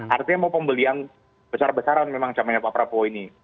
artinya mau pembelian besar besaran memang zamannya pak prabowo ini